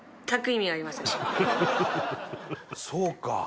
そうか。